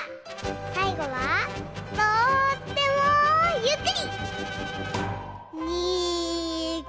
さいごはとってもゆっくり。